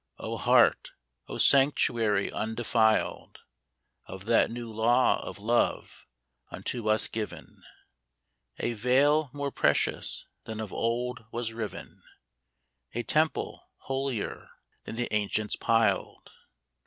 O Heart, O Sanctuary undefiled Of that new law of love unto us given ; A Veil more precious than of old was riven, A Temple holier than the ancients piled